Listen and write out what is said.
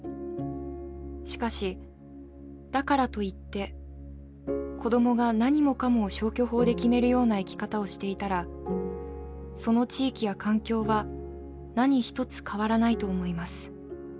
しかしだからといって子どもが何もかもを消去法で決めるような生き方をしていたらその地域や環境は何一つ変わらないと思います。